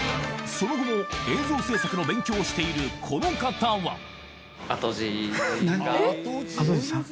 その後も映像制作の勉強をしているこの方はあとじさん。